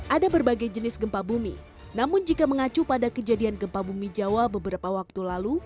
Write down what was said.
ada berbagai jenis gempa bumi namun jika mengacu pada kejadian gempa bumi jawa beberapa waktu lalu